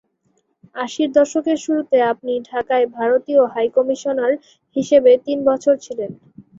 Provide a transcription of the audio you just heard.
আশির দশকের শুরুতে আপনি ঢাকায় ভারতীয় হাইকমিশনার হিসেবে তিন বছর ছিলেন।